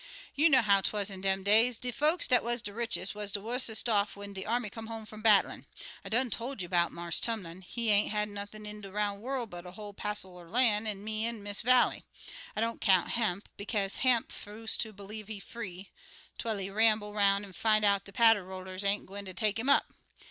"You know how 'twaz in dem days. De folks what wuz de richest wuz de wussest off when de army come home from battlin'. I done tol' you 'bout Marse Tumlin. He ain't had nothin' in de roun' worl' but a whole passel er lan', an' me an' Miss Vallie. I don't count Hamp, bekaze Hamp 'fuse ter blieve he's free twel he ramble 'roun' an' fin' out de patterollers ain't gwine ter take 'im up.